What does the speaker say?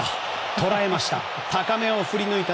捉えました。